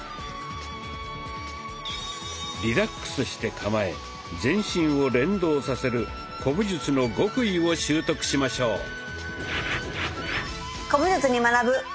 リラックスして構え全身を連動させる古武術の極意を習得しましょう。